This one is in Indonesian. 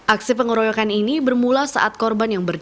aksi pengoroyokan ini bermula saat korban yang berdiri